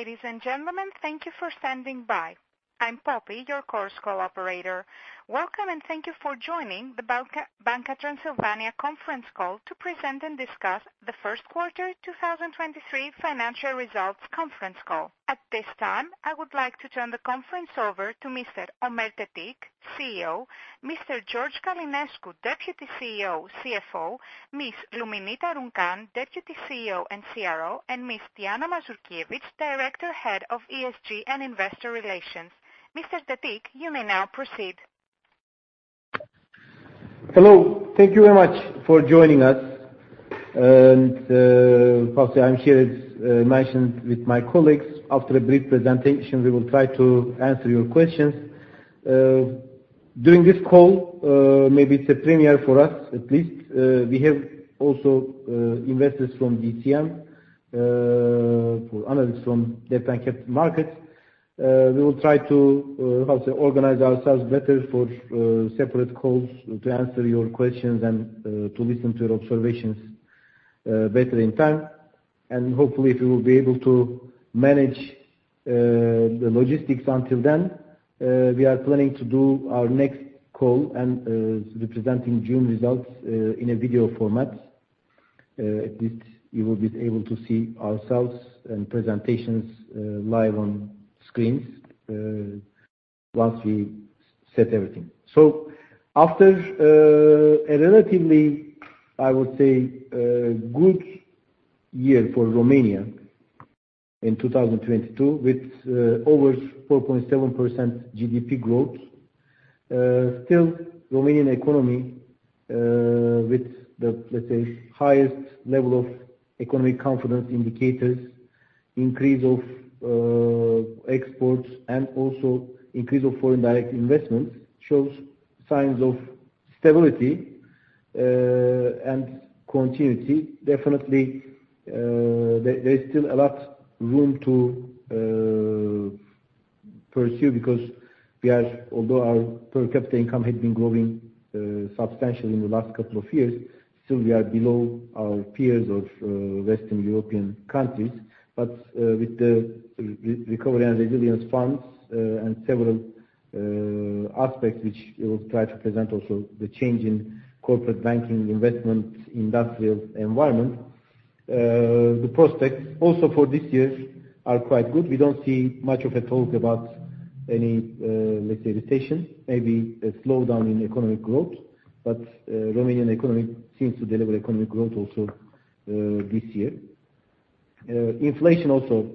Ladies and gentlemen, thank you for standing by. I'm Poppy, your conference call operator. Welcome, and thank you for joining the Banca Transilvania conference call to present and discuss the first quarter 2023 financial results conference call. At this time, I would like to turn the conference over to Mr. Ömer Tetik, CEO, Mr. George Călinescu, Deputy CEO, CFO, Ms. Luminița Runcan, Deputy CEO and CRO, and Ms. Diana Mazurchievici, Director, Head of ESG and Investor Relations. Mr. Tetik, you may now proceed. Hello. Thank you very much for joining us. Poppy, I'm here, as mentioned, with my colleagues. After a brief presentation, we will try to answer your questions. During this call, maybe it's a premiere for us at least, we have also investors from DCM, or analysts from debt and capital markets. We will try to, how to say, organize ourselves better for separate calls to answer your questions and to listen to your observations better in time. Hopefully, if we will be able to manage the logistics until then, we are planning to do our next call and representing June results in a video format. At least you will be able to see ourselves and presentations live on screens once we set everything. After a relatively, I would say, good year for Romania in 2022 with over 4.7% GDP growth. Still Romanian economy, with the, let's say, highest level of economic confidence indicators, increase of exports and also increase of foreign direct investments, shows signs of stability and continuity. Definitely, there is still a lot room to pursue because although our per capita income had been growing substantially in the last couple of years, still we are below our peers of Western European countries. With the Recovery and resilience funds, and several aspects which we will try to present also the change in corporate banking, investment, industrial environment, the prospects also for this year are quite good. We don't see much of a talk about any, let's say, recession, maybe a slowdown in economic growth. Romanian economy seems to deliver economic growth also this year. Inflation also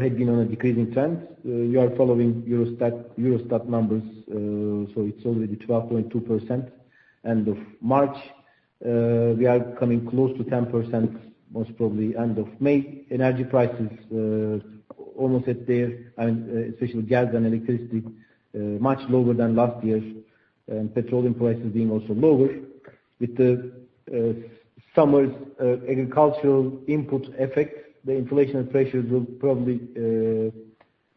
had been on a decreasing trend. We are following Eurostat numbers, so it's already 12.2% end of March. We are coming close to 10% most probably end of May. Energy prices almost at their, and especially gas and electricity, much lower than last year's. Petroleum prices being also lower. With the summer's agricultural input effect, the inflation pressures will probably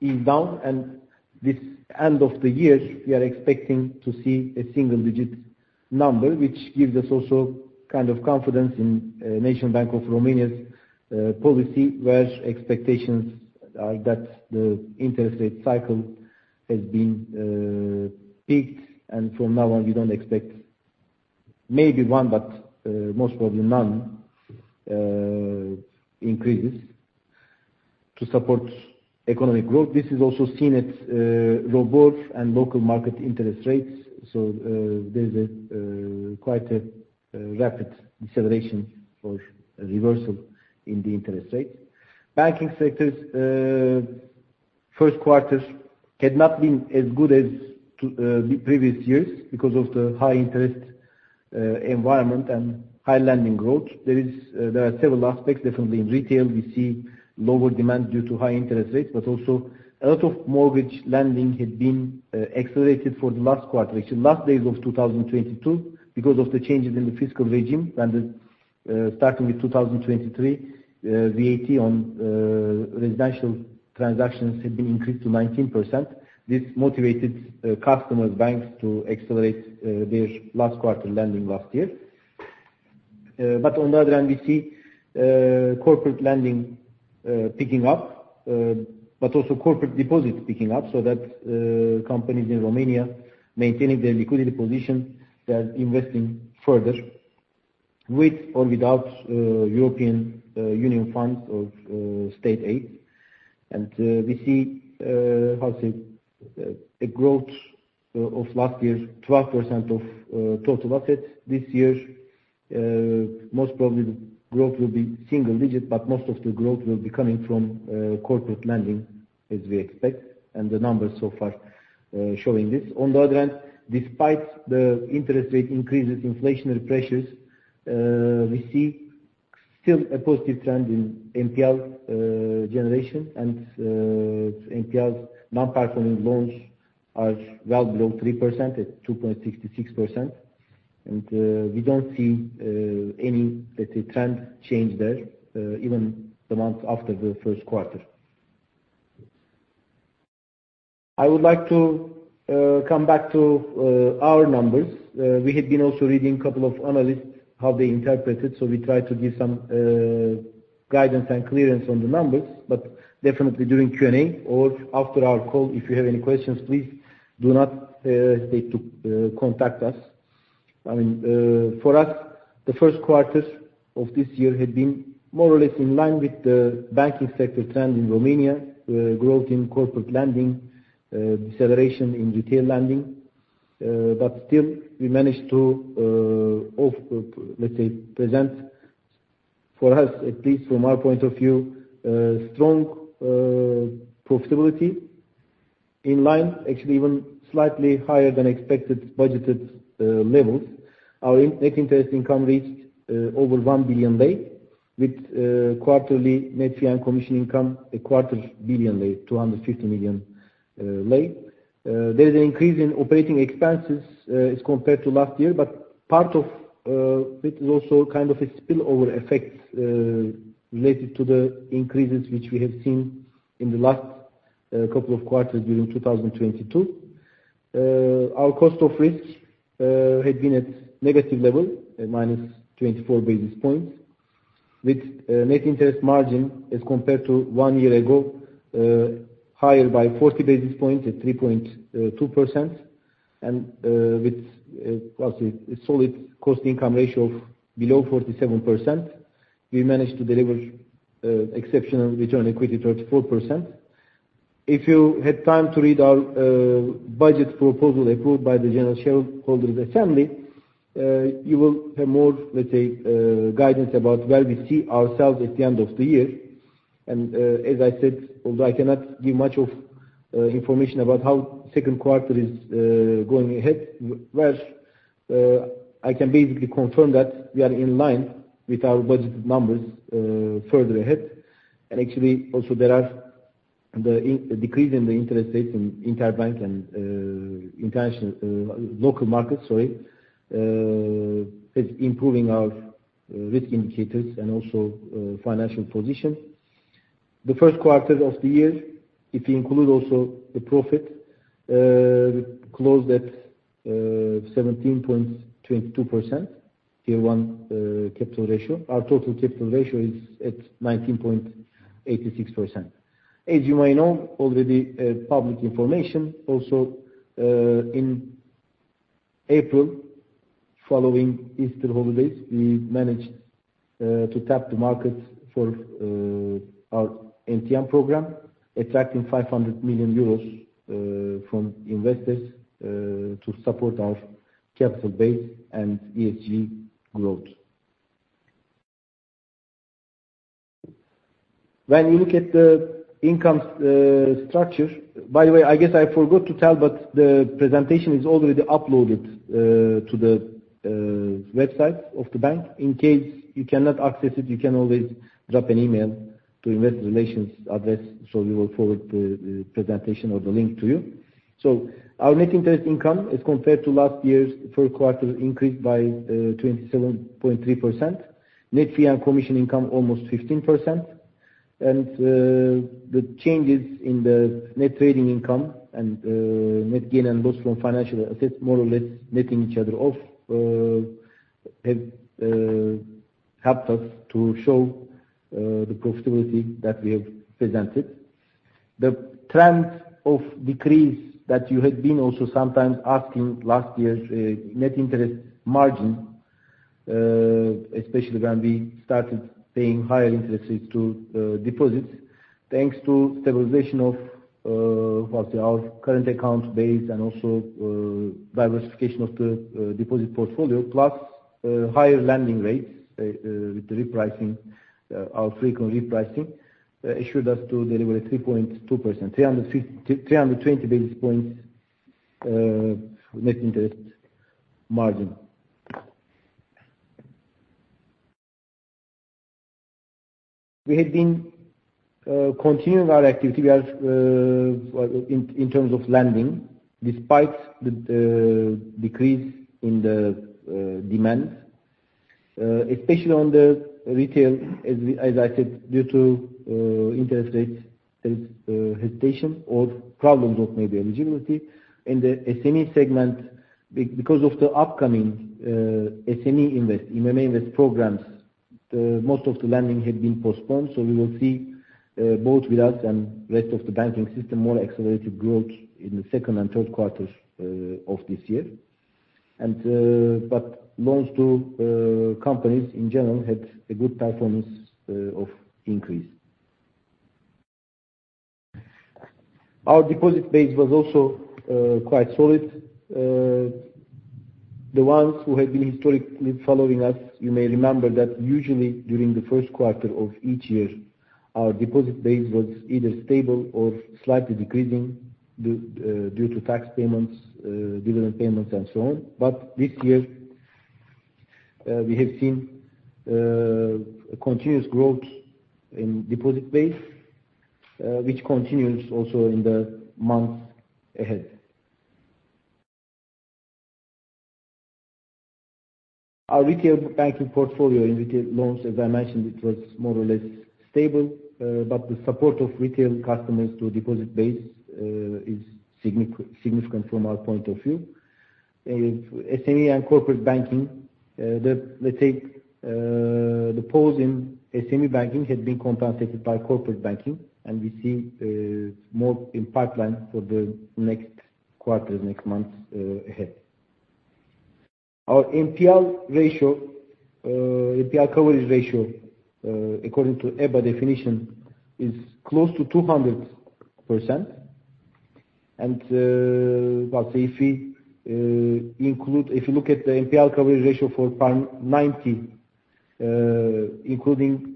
ease down. This end of the year, we are expecting to see a single digit number, which gives us also kind of confidence in National Bank of Romania's policy, where expectations are that the interest rate cycle has been peaked. From now on, we don't expect maybe one, but most probably none increases to support economic growth. This is also seen at ROBOR and local market interest rates. There's quite a rapid deceleration or reversal in the interest rate. Banking sectors first quarters had not been as good as to the previous years because of the high interest environment and high lending growth. There are several aspects. Definitely in retail, we see lower demand due to high interest rates, but also a lot of mortgage lending had been accelerated for the last quarter, actually last days of 2022 because of the changes in the fiscal regime. Starting with 2023, VAT on residential transactions had been increased to 19%. This motivated customers, banks to accelerate their last quarter lending last year. On the other hand we see corporate lending picking up, but also corporate deposits picking up. Companies in Romania maintaining their liquidity position, they are investing further with or without European Union funds of state aid. We see how to say, a growth of last year's 12% of total assets. This year, most probably the growth will be single-digit, but most of the growth will be coming from corporate lending, as we expect. The numbers so far showing this. On the other hand, despite the interest rate increases, inflationary pressures, we see still a positive trend in NPL generation. NPL, non-performing loans are well below 3% at 2.66%. We don't see any, let's say, trend change there, even the month after the first quarter. I would like to come back to our numbers. We had been also reading a couple of analysts, how they interpreted. We try to give some guidance and clearance on the numbers. Definitely during Q&A or after our call, if you have any questions, please do not hesitate to contact us. I mean, for us, the first quarter of this year had been more or less in line with the banking sector trend in Romania, growth in corporate lending, deceleration in retail lending. Still we managed to let's say present for us, at least from our point of view, a strong profitability in line, actually even slightly higher than expected budgeted levels. Our net interest income reached over RON 1 billion, with quarterly net fee and commission income a quarter billion RON 250 million. There is an increase in operating expenses as compared to last year, but part of it is also kind of a spillover effect related to the increases which we have seen in the last couple of quarters during 2022. Our cost of risk had been at negative level, at -24 basis points, with net interest margin as compared to one year ago, higher by 40 basis points at 3.2%. With, what's it? A solid cost-to-income ratio of below 47%. We managed to deliver exceptional return on equity, 34%. If you had time to read our budget proposal approved by the general shareholders' assembly, you will have more, let's say, guidance about where we see ourselves at the end of the year. As I said, although I cannot give much of information about how second quarter is going ahead, I can basically confirm that we are in line with our budgeted numbers further ahead. Also there are the in-decrease in the interest rates in interbank and international local markets, sorry, is improving our risk indicators and also financial position. The first quarter of the year, if you include also the profit, we closed at 17.22% Tier 1 capital ratio. Our total capital ratio is at 19.86%. As you may know already, public information also, in April, following Easter holidays, we managed to tap the markets for our MTN program, attracting 500 million euros from investors to support our capital base and ESG growth. When you look at the income structure. I guess I forgot to tell, but the presentation is already uploaded to the website of the bank. In case you cannot access it, you can always drop an email to Investor Relations address, so we will forward the presentation or the link to you. Our net interest income as compared to last year's first quarter increased by 27.3%. Net fees and commissions income, almost 15%. The changes in the net trading income and net gain and those from financial assets more or less netting each other off, have helped us to show the profitability that we have presented. The trend of decrease that you had been also sometimes asking last year's net interest margin, especially when we started paying higher interest rates to deposits. Thanks to stabilization of what's it? Our current account base and also diversification of the deposit portfolio. Higher lending rates, with the repricing, our frequent repricing, assured us to deliver 3.2%, 320 basis points, net interest margin. We had been continuing our activity, whereas, in terms of lending, despite the decrease in the demand, especially on the retail, as we, as I said, due to interest rates, hesitation or problems of maybe eligibility. In the SME segment, because of the upcoming IMM Invest, IMM Invest programs, most of the lending had been postponed. We will see, both with us and rest of the banking system, more accelerated growth in the second and third quarters of this year. But loans to companies in general had a good performance of increase. Our deposit base was also quite solid. The ones who had been historically following us, you may remember that usually during the first quarter of each year, our deposit base was either stable or slightly decreasing due to tax payments, dividend payments and so on. This year, we have seen a continuous growth in deposit base, which continues also in the months ahead. Our retail banking portfolio in retail loans, as I mentioned, it was more or less stable. The support of retail customers to deposit base is significant from our point of view. If SME and corporate banking, let's say, the pause in SME banking had been compensated by corporate banking, and we see more in pipeline for the next quarter, the next months ahead. Our NPL ratio, NPL coverage ratio, according to EBA definition, is close to 200%. Well, say, if we look at the NPL coverage ratio for PAR 90, including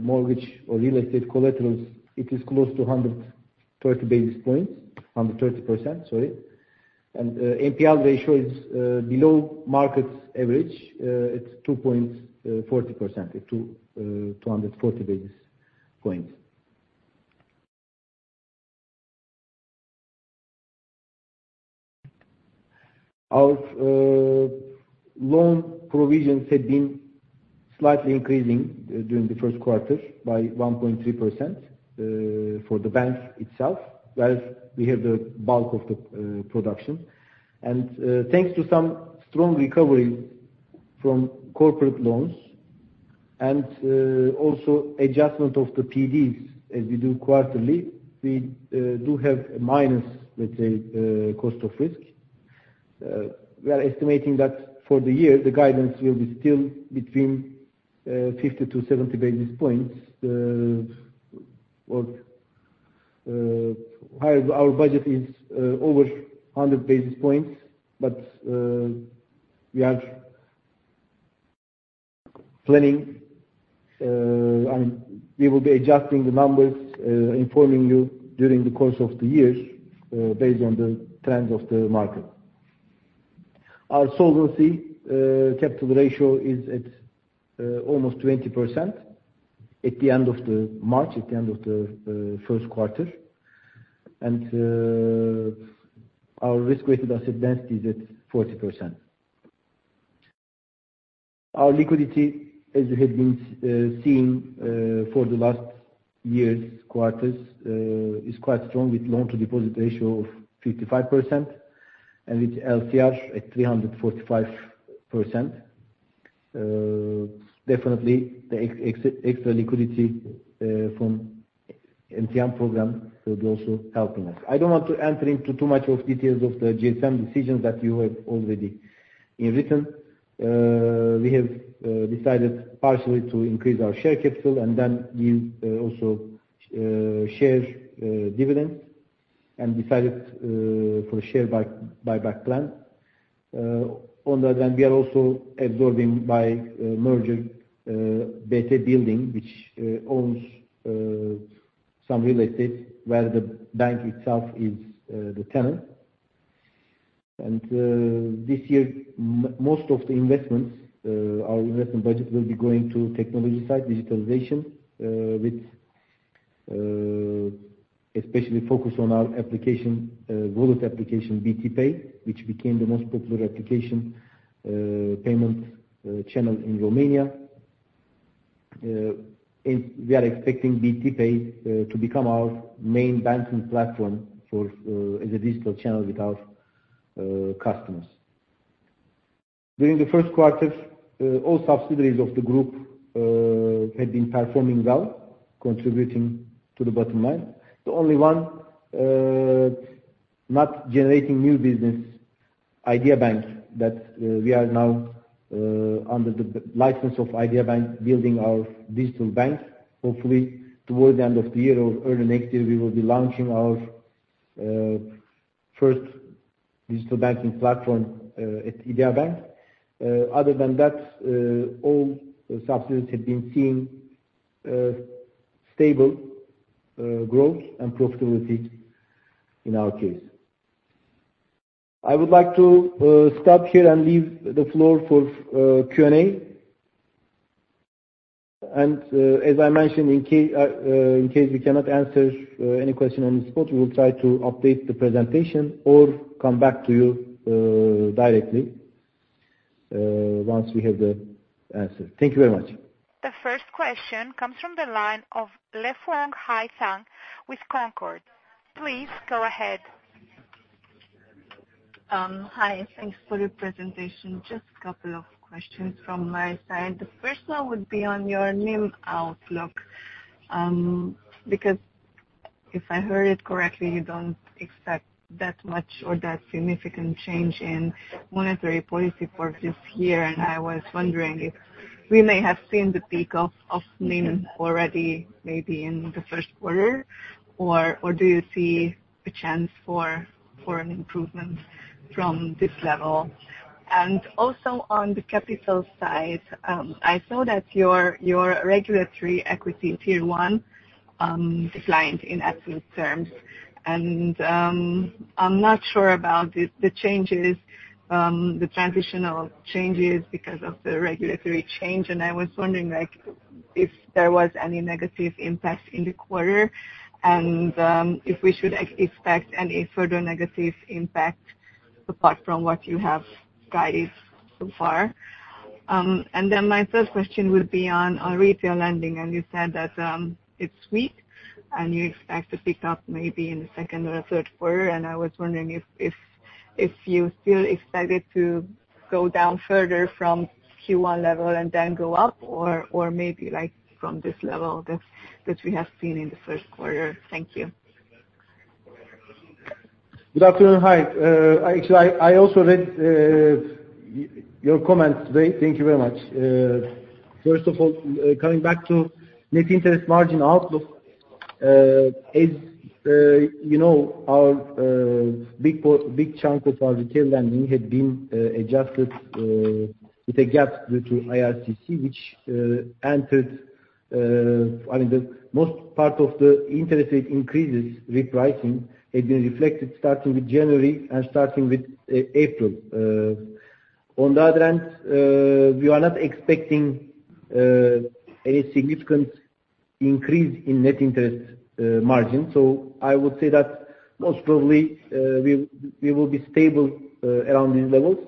mortgage or real estate collaterals, it is close to 130 basis points, 130%, sorry. NPL ratio is below market's average. It's 2.40%, 240 basis points. Our loan provisions had been slightly increasing during the first quarter by 1.3% for the banks itself, whereas we have the bulk of the production. Thanks to some strong recovery from corporate loans and also adjustment of the PDs, as we do quarterly, we do have a minus, let's say, cost of risk. We are estimating that for the year, the guidance will be still between 50 to 70 basis points. Well, our budget is over 100 basis points, but we are planning, I mean, we will be adjusting the numbers, informing you during the course of the year, based on the trends of the market. Our solvency capital ratio is at almost 20% at the end of March, at the end of the first quarter. Our risk-weighted asset density is at 40%. Our liquidity, as you had been seeing, for the last year's quarters, is quite strong with loan-to-deposit ratio of 55% and with LCR at 345%. Definitely, the extra liquidity from MTN program will be also helping us. I don't want to enter into too much of details of the GSM decisions that you have already in written. We have decided partially to increase our share capital and then give also shares dividend and decided for a share buyback plan. On that, then we are also absorbing by merger BT Building, which owns some real estate where the bank itself is the tenant. This year most of the investments, our investment budget will be going to technology side, digitalization, with especially focus on our application, wallet application, BT Pay, which became the most popular application payment channel in Romania. And we are expecting BT Pay to become our main banking platform for as a digital channel with our customers. During the first quarter, all subsidiaries of the group had been performing well, contributing to the bottom line. The only one not generating new business, Idea Bank, that we are now under the license of Idea Bank, building our digital bank. Hopefully, towards the end of the year or early next year, we will be launching our first digital banking platform at Idea Bank. Other than that, all subsidiaries had been seeing stable growth and profitability in our case. I would like to stop here and leave the floor for Q&A. As I mentioned, in case we cannot answer any question on the spot, we will try to update the presentation or come back to you directly once we have the answer. Thank you very much. The first question comes from the line of Le Phuong, Hai Thanh with Concorde. Please go ahead. Hi, thanks for your presentation. Just couple of questions from my side. The first one would be on your NIM outlook. If I heard it correctly, you don't expect that much or that significant change in monetary policy for this year. I was wondering if we may have seen the peak of NIM already, maybe in the first quarter. Or do you see a chance for an improvement from this level? Also on the capital side, I saw that your regulatory equity Tier 1 declined in absolute terms. I'm not sure about the changes, the transitional changes because of the regulatory change. I was wondering if there was any negative impact in the quarter, and if we should expect any further negative impact apart from what you have guided so far. My third question would be on retail lending. You said that, it's weak and you expect to pick up maybe in the second or third quarter. I was wondering if you still expect it to go down further from Q1 level and then go up or maybe like from this level that we have seen in the first quarter? Thank you. Good afternoon. Hi. Actually, I also read your comments today. Thank you very much. First of all, coming back to net interest margin outlook. As you know, our big chunk of our retail lending had been adjusted with a gap due to IRCC, which entered, I mean, the most part of the interest rate increases repricing had been reflected starting with January and starting with April. On the other hand, we are not expecting any significant increase in net interest margin. I would say that most probably, we will be stable around these levels.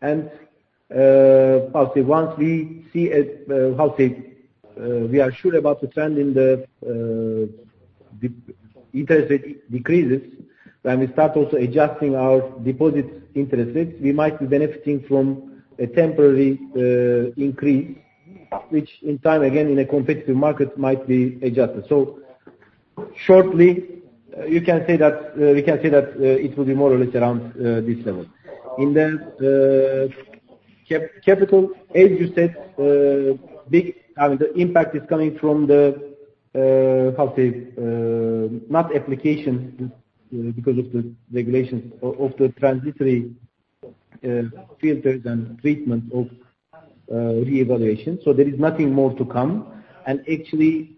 Possibly once we see a, how say, we are sure about the trend in the interest rate decreases, then we start also adjusting our deposits interest rates. We might be benefiting from a temporary increase which in time again in a competitive market might be adjusted. Shortly, you can say that, we can say that, it will be more or less around this level. In the capital, as you said, big, I mean, the impact is coming from the how say, not application because of the regulations of the transitory filters and treatment of reevaluation. There is nothing more to come. Actually,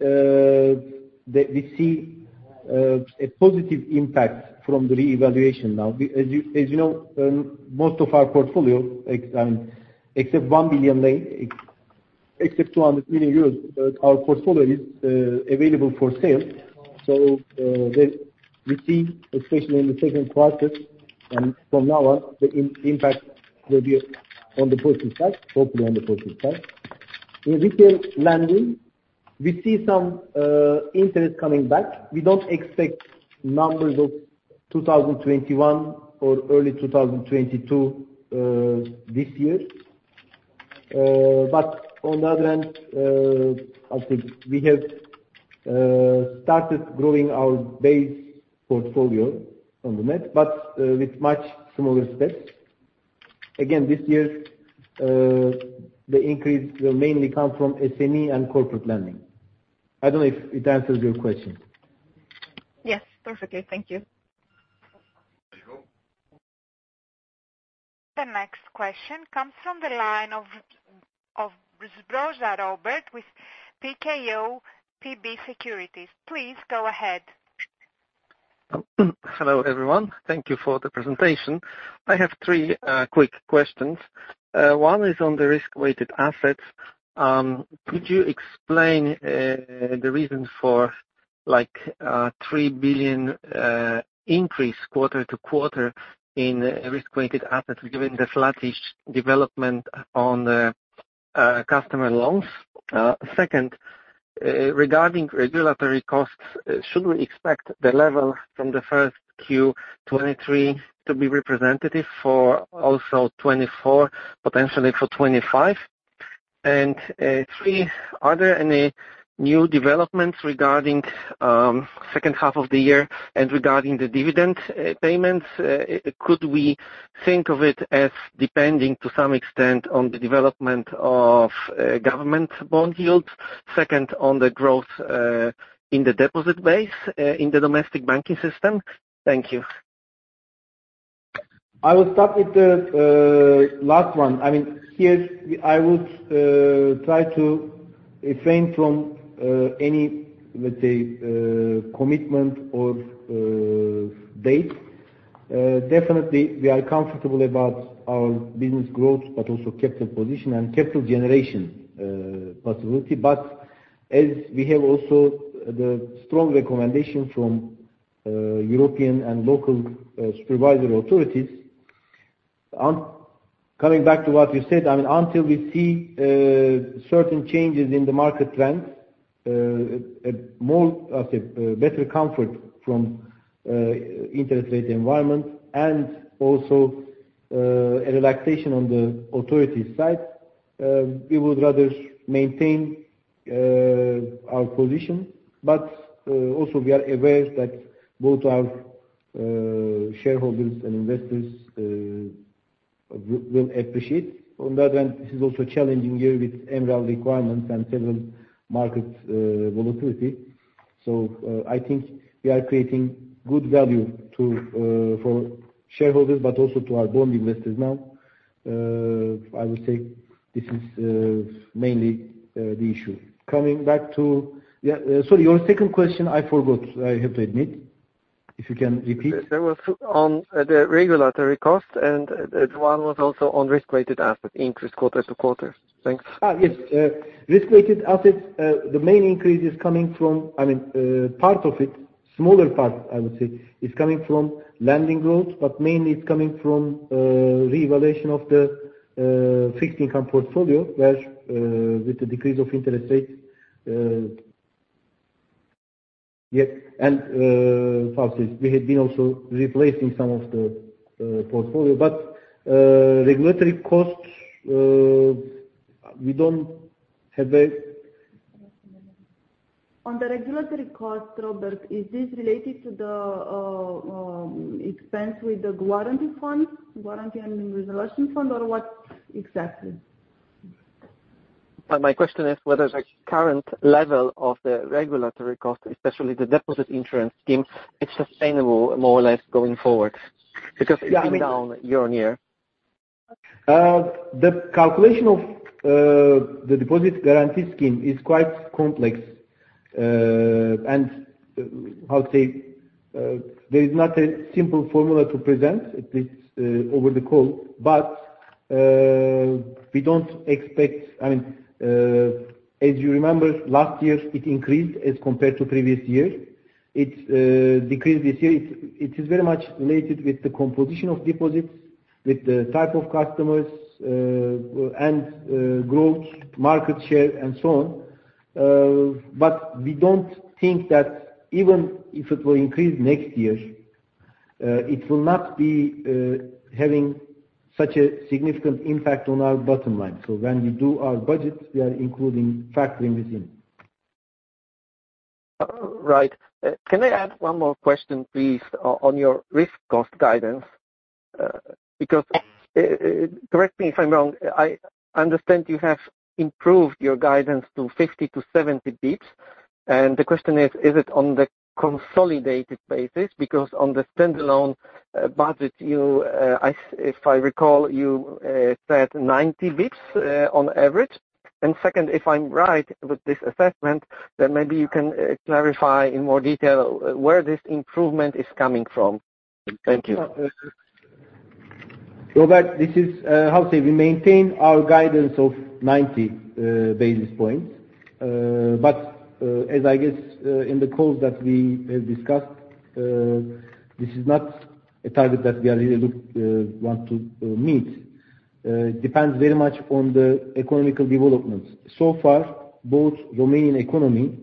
we see a positive impact from the reevaluation now. As you, as you know, most of our portfolio except RON 1 million, except EUR 200 million, our portfolio is available for sale. We see, especially in the second quarter and from now on, the impact will be on the positive side, hopefully on the positive side. In retail lending, we see some interest coming back. We don't expect numbers of 2021 or early 2022 this year. On the other hand, I think we have started growing our base portfolio on the net, but with much smaller steps. Again, this year, the increase will mainly come from SME and corporate lending. I don't know if it answers your question. Yes. Perfectly. Thank you. Thank you. The next question comes from the line of Brzoza, Robert with PKO BP Securities. Please go ahead. Hello, everyone. Thank you for the presentation. I have three quick questions. One is on the risk-weighted assets. Could you explain the reason for like a RON 3 billion increase quarter-to-quarter in risk-weighted assets given the flattish development on the customer loans? Second, regarding regulatory costs, should we expect the level from the 1Q 2023 to be representative for also 2024, potentially for 2025? Three, are there any new developments regarding second half of the year and regarding the dividend payments? Could we think of it as depending to some extent on the development of government bond yields, second, on the growth in the deposit base in the domestic banking system? Thank you. I will start with the last one. I mean, here I would try to refrain from any, let's say, commitment or date. Definitely we are comfortable about our business growth, but also capital position and capital generation possibility. As we have also the strong recommendation from European and local supervisor authorities. Coming back to what you said, I mean, until we see certain changes in the market trends, at more, how say, better comfort from interest rate environment and also a relaxation on the authority side, we would rather maintain our position. Also we are aware that both our shareholders and investors will appreciate. On the other hand, this is also a challenging year with MREL requirements and several market volatility. I think we are creating good value to for shareholders, but also to our bond investors now. I would say this is mainly the issue. Coming back to. Sorry, your second question I forgot, I have to admit. If you can repeat. There was two on the regulatory cost, and one was also on risk-weighted assets increase quarter-to-quarter. Thanks. Yes. Risk-weighted assets, the main increase is coming from, I mean, part of it, smaller part I would say, is coming from lending growth. Mainly it's coming from reevaluation of the fixed income portfolio, where with the decrease of interest rates. Yes, we had been also replacing some of the portfolio. Regulatory costs, we don't have. On the regulatory cost, Robert, is this related to the expense with the guarantee fund, warranty and resolution fund, or what exactly? My question is whether the current level of the regulatory cost, especially the deposit insurance scheme, is sustainable more or less going forward. It's been down year-on-year. The calculation of the deposit guarantee scheme is quite complex. And how to say? There is not a simple formula to present at least over the call. We don't expect, I mean, as you remember, last year it increased as compared to previous year. It decreased this year. It is very much related with the composition of deposits, with the type of customers, and growth, market share, and so on. We don't think that even if it will increase next year, it will not be having such a significant impact on our bottom line. When we do our budget, we are including factoring this in. Right. Can I add one more question, please, on your risk cost guidance? Because correct me if I'm wrong, I understand you have improved your guidance to 50-70 basis points. The question is it on the consolidated basis? Because on the standalone budget, you if I recall, you said 90 basis points on average. Second, if I'm right with this assessment, then maybe you can clarify in more detail where this improvement is coming from. Thank you. Robert, this is, how say we maintain our guidance of 90 basis points. As I guess, in the calls that we have discussed, this is not a target that we are really want to meet. It depends very much on the economic developments. So far, both Romanian economy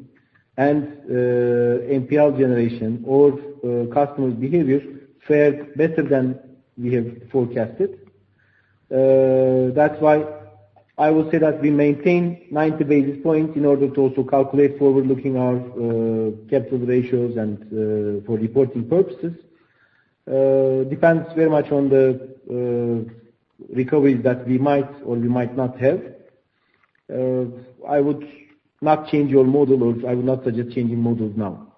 and NPL generation or customer behavior fared better than we have forecasted. I would say that we maintain 90 basis points in order to also calculate forward looking our capital ratios and for reporting purposes. Depends very much on the recoveries that we might or we might not have. I would not change your model or I would not suggest changing models now.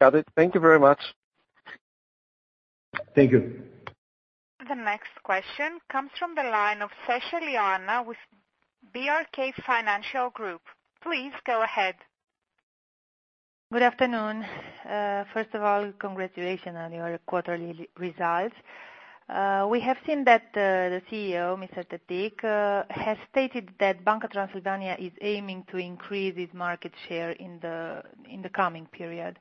Got it. Thank you very much. Thank you. The next question comes from the line of Sechel, Ioana with BRK Financial Group. Please go ahead. Good afternoon. First of all, congratulations on your quarterly results. We have seen that the CEO, Mr. Tetik, has stated that Banca Transilvania is aiming to increase its market share in the coming period.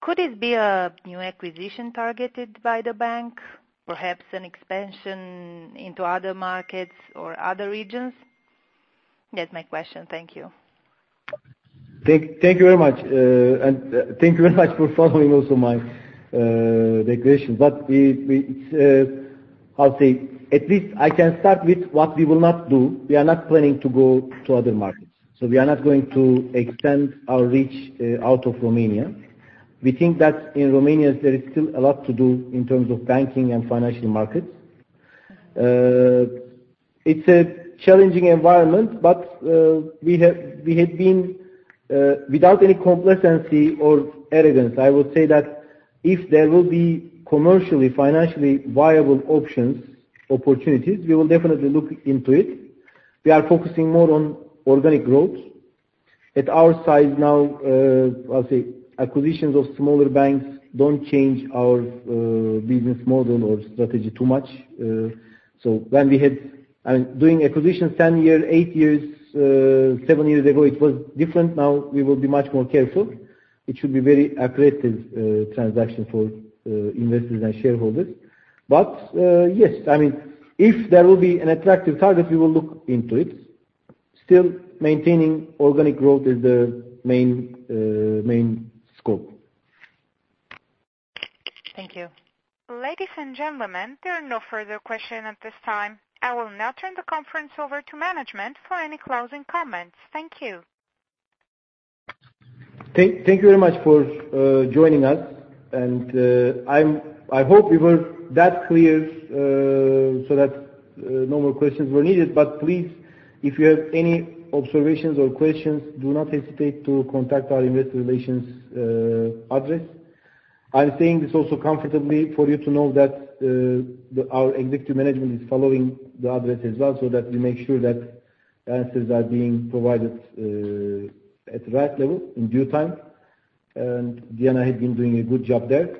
Could it be a new acquisition targeted by the bank? Perhaps an expansion into other markets or other regions? That's my question. Thank you. Thank you very much. Thank you very much for following also my declaration. It's, I'll say at least I can start with what we will not do. We are not planning to go to other markets. We are not going to extend our reach out of Romania. We think that in Romania there is still a lot to do in terms of banking and financial markets. It's a challenging environment, but we had been without any complacency or arrogance, I would say that if there will be commercially, financially viable options, opportunities, we will definitely look into it. We are focusing more on organic growth. At our size now, I'll say acquisitions of smaller banks don't change our business model or strategy too much. When we I mean, doing acquisitions 10 year, eight years, seven years ago, it was different. Now we will be much more careful. It should be very aggressive transaction for investors and shareholders. Yes, I mean, if there will be an attractive target, we will look into it. Still maintaining organic growth is the main scope. Thank you. Ladies and gentlemen, there are no further question at this time. I will now turn the conference over to management for any closing comments. Thank you. Thank you very much for joining us. I hope we were that clear so that no more questions were needed. Please, if you have any observations or questions, do not hesitate to contact our investor relations address. I'm saying this also comfortably for you to know that our executive management is following the address as well, so that we make sure that answers are being provided at the right level in due time. Diana had been doing a good job there.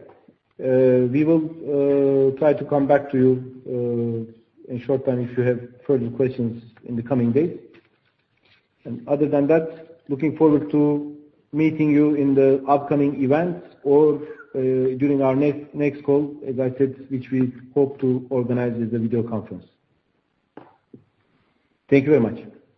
We will try to come back to you in short time if you have further questions in the coming days. Other than that, looking forward to meeting you in the upcoming events or during our next call, as I said, which we hope to organize as a video conference. Thank you very much.